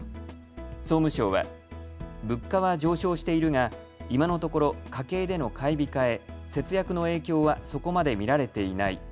総務省は物価は上昇しているが今のところ家計での買い控え、節約の影響はそこまで見られていない。